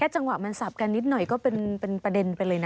จังหวะมันสับกันนิดหน่อยก็เป็นประเด็นไปเลยนะ